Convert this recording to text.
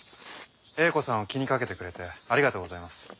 映子さんを気にかけてくれてありがとうございます。